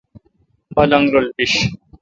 پلنگ رل بیش۔